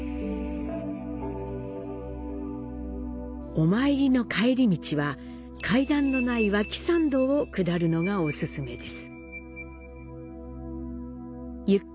お参りの帰り道は階段のない「脇参道」を下るのがお勧めです。